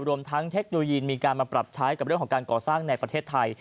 รวมทั้งเทคโนโลยีมีการมาปรับใช้กับเรื่องของการก่อสร้างในประเทศไทย